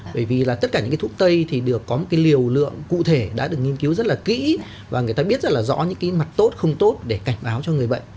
bởi vì là tất cả những cái thuốc tây thì được có một cái liều lượng cụ thể đã được nghiên cứu rất là kỹ và người ta biết rất là rõ những cái mặt tốt không tốt để cảnh báo cho người bệnh